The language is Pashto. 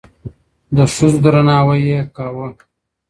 د ښځو درناوی يې کاوه.